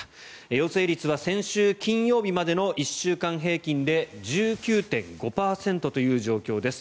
陽性率は先週金曜日までの１週間平均で１９．５％という状況です。